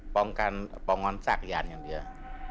ป้องกันป้องกันสักยานอย่างเดียว